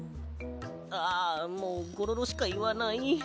ああもうゴロロしかいわない。